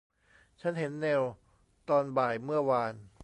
ฉันเห็นเนลตอนบ่ายเมื่อวาน